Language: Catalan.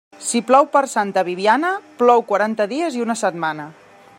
Si plou per Santa Bibiana, plou quaranta dies i una setmana.